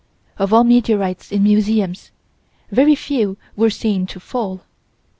Of all meteorites in museums, very few were seen to fall.